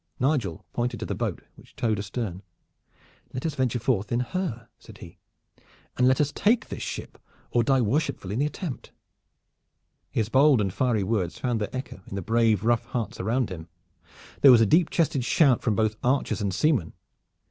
Nigel pointed to the boat which towed astern. "Let us venture forth in her," said he, "and let us take this ship or die worshipful in the attempt." His bold and fiery words found their echo in the brave rough hearts around him. There was a deep chested shout from both archers and seamen.